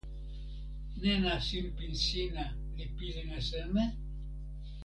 nena sinpin sina li pilin e seme?